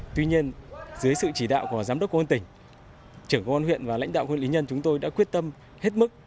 tuy nhiên dưới sự chỉ đạo của giám đốc công an tỉnh trưởng công an huyện và lãnh đạo huyện lý nhân chúng tôi đã quyết tâm hết mức